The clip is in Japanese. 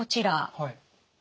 はい。